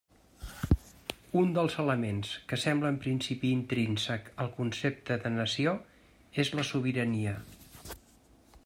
Un dels elements que sembla en principi intrínsec al concepte de nació és la sobirania.